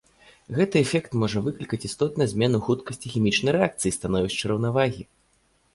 Гэты эфект можа выклікаць істотныя змены ў хуткасці хімічнай рэакцыі і становішчы раўнавагі.